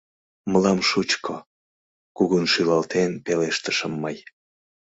— Мылам шучко… — кугун шӱлалтен, пелештышым мый.